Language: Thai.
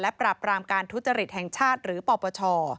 ปราบรามการทุจริตแห่งชาติหรือปปช